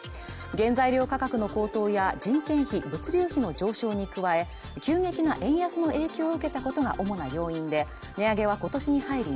原材料価格の高騰や人件費物流費の上昇に加え急激な円安の影響を受けたことが主な要因で値上げは今年に入り